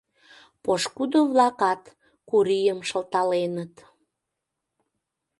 Пошкудо-влакат Курийым шылталеныт: